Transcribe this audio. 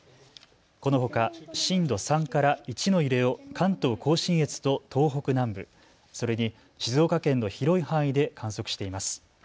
このほか震度３から１の揺れを関東甲信越と東北南部、それに静岡県の広い範囲で観測しています。